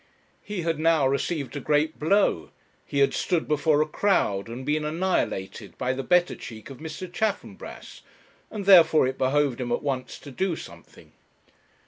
He had now received a great blow; he had stood before a crowd, and been annihilated by the better cheek of Mr. Chaffanbrass, and, therefore, it behoved him at once to do something.